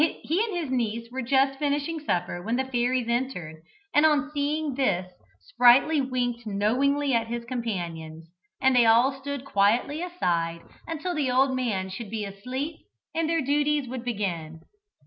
He and his niece were just finishing supper when the fairies entered, and on seeing this Sprightly winked knowingly at his companions, and they all stood quietly aside until the old man should be asleep and their duties would begin.